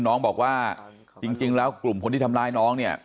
น้องบอกว่าจริงแล้วกลุ่มคนที่ทำร้ายน้องเนี่ย